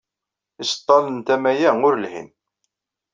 Iseḍḍalen n tama-a ur lhin.